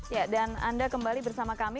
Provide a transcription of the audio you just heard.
ya dan anda kembali bersama kami